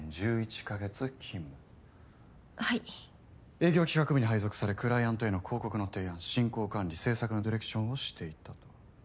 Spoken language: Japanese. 営業企画部に配属されクライアントへの広告の提案進行管理制作のディレクションをしていたと。